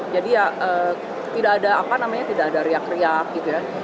jadi ya tidak ada apa namanya tidak ada riak riak gitu ya